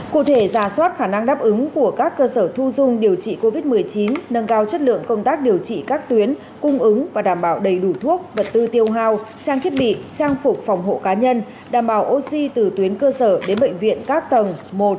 cụ thể giả soát khả năng đáp ứng của các cơ sở thu dung điều trị covid một mươi chín nâng cao chất lượng công tác điều trị các tuyến cung ứng và đảm bảo đầy đủ thuốc vật tư tiêu hao trang thiết bị trang phục phòng hộ cá nhân đảm bảo oxy từ tuyến cơ sở đến bệnh viện các tầng một